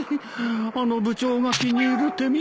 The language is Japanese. あの部長が気に入る手土産か。